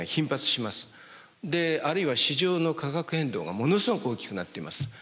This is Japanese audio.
あるいは市場の価格変動がものすごく大きくなっています。